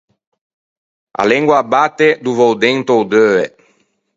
A lengua a batte dove o dente o deue.